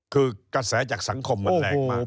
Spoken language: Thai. คือกระแสจากสังคมมันแรงมาก